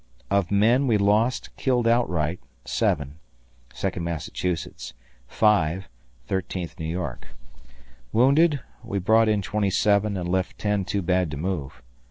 Of men, we lost, killed outright, 7, Second Massachusetts; 5, Thirteenth New York: wounded, we brought in 27 and left 10 too bad to move.